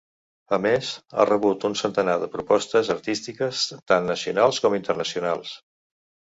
A més, ha rebut un centenar de propostes artístiques tant nacionals com internacionals.